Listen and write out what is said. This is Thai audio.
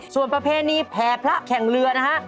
ส่วนประเพณีแผ่พระแข่งเรือนะฮะ